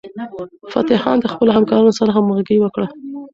فتح خان د خپلو همکارانو سره همغږي وکړه.